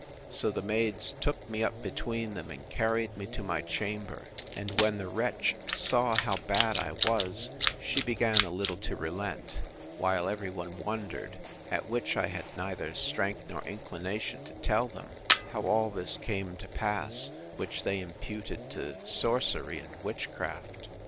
So the maids took me up between them, and carried me to my chamber; and when the wretch saw how bad I was, she began a little to relent—while every one wondered (at which I had neither strength nor inclination to tell them) how all this came to pass, which they imputed to sorcery and witchcraft.